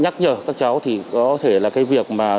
nhắc nhở các cháu thì có thể là cái việc mà